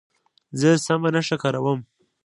زه سمه نښه کاروم.